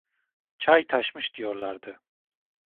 Çay taşmış diyorlardı…